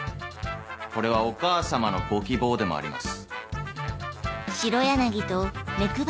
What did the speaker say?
これはお母様のご希望でもあります。